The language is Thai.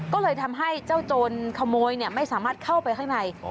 ก็เลยทำให้เจ้าโจรขโมยไม่สามารถเข้าไปข้างใน